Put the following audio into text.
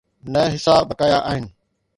نه حصا بقايا آهن.